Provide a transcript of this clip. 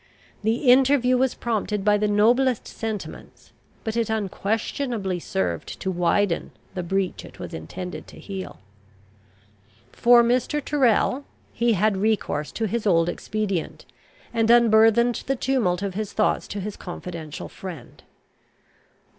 The interview was prompted by the noblest sentiments; but it unquestionably served to widen the breach it was intended to heal. For Mr. Tyrrel, he had recourse to his old expedient, and unburthened the tumult of his thoughts to his confidential friend.